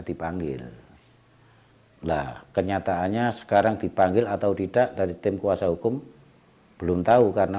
dipanggil lah kenyataannya sekarang dipanggil atau tidak dari tim kuasa hukum belum tahu karena